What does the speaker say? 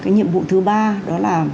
nhiệm vụ thứ ba đó là